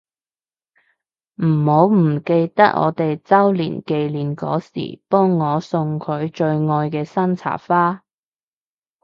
唔好唔記得我哋週年紀念嗰時幫我送佢最愛嘅山茶花